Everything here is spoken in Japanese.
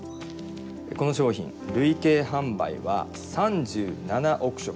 この商品累計販売は３７億食。